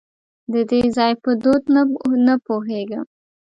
د دې ځای په دود نه پوهېږم .